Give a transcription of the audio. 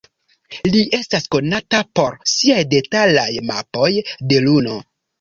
Li estas konata por siaj detalaj mapoj de Luno.